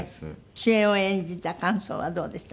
主演を演じた感想はどうでしたか？